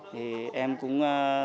thì em cũng